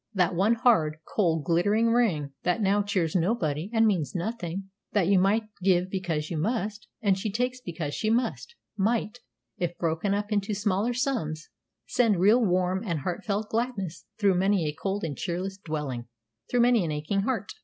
That one hard, cold, glittering ring, that now cheers nobody, and means nothing, that you give because you must, and she takes because she must, might, if broken up into smaller sums, send real warm and heartfelt gladness through many a cold and cheerless dwelling, through many an aching heart."